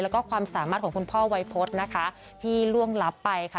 แล้วก็ความสามารถของคุณพ่อไวพศนะคะ